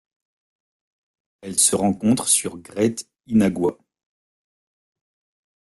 Elle se rencontre sur Great Inagua.